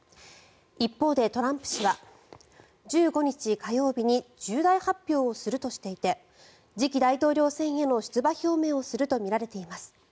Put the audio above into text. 一方でトランプ氏は１５日火曜日に重大発表をするとしていて次期大統領選への出馬表明をするとみられています。